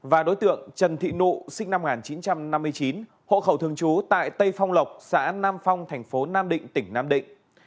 và đối tượng trần thị nụ sinh năm một nghìn chín trăm năm mươi chín hộ khẩu thường trú tại tây phong lộc xã nam phong thành phố nam định tỉnh nam định